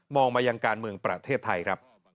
มองมาอย่างการเมืองประเทศไทย